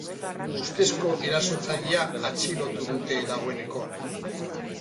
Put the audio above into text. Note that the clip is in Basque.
Ustezko erasotzailea atxilotu dute dagoeneko.